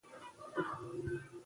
هغې ناره کوله.